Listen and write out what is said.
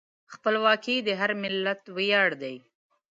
خپلواکي د هر ملت ویاړ دی.